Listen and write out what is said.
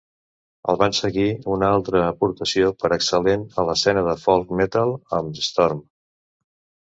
El van seguir una altra aportació per excel·lent a l'escena del folk metal amb Storm.